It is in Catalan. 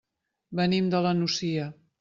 Venim de la Nucia.